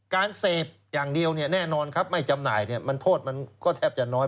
การเสพอย่างเดียวแน่นอนไม่จำหน่ายโทษก็แทบจะน้อย